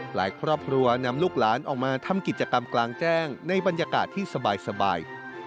ครอบครัวนำลูกหลานออกมาทำกิจกรรมกลางแจ้งในบรรยากาศที่สบาย